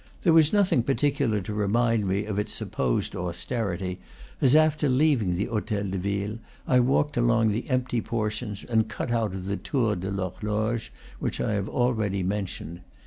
There was nothing particular to remind me of its supposed austerity as, after leaving the hotel de ville, I walked along the empty portions and cut out of the Tour de l'Horloge, which I have already mentioned.